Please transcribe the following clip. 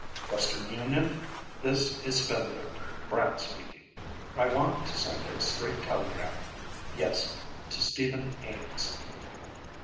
"Western Union? This is Spindrift, Brant speaking. I want to send a straight telegram. Yes. To Steven Ames."